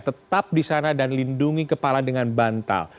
tetap di sana dan lindungi kepala dengan bantal